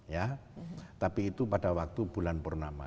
ya tapi itu pada waktu bulan purnama